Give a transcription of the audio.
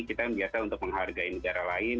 kita yang biasa untuk menghargai negara lain